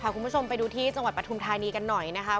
คุณผู้ชมไปดูที่จังหวัดปฐุมธานีกันหน่อยนะครับ